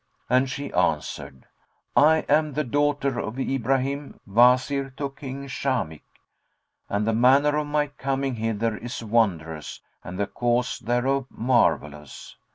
and she answered, "I am the daughter of Ibrahim, Wazir to King Shamikh; and the manner of my coming hither is wondrous and the cause thereof marvellous."